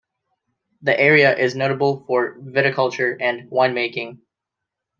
The area is notable for viticulture and winemaking.